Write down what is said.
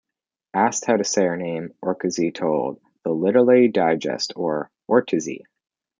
Asked how to say her name, Orczy told "The Literary Digest": "Or-tsey.